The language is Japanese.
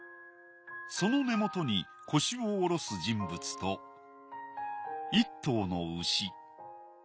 その根元に腰を下ろす人物と一頭の牛。